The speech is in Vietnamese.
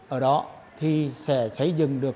ở đó thì sẽ xây dựng được